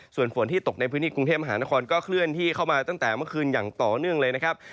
ส่วนฝนที่ตกในพื้นที่กรุงเทพมหานครก็เคลื่อนที่เข้ามาตั้งแต่เมื่อคืนอย่างต่อเนื่องเลยนะครับ